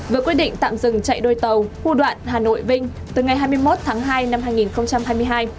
vừa quyết định tạm dừng chạy đôi tàu khu đoạn hà nội vinh từ ngày hai mươi một tháng hai năm hai nghìn hai mươi hai